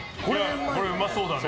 これうまそうだね